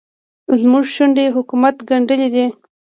زموږ شونډې حکومت ګنډلې دي.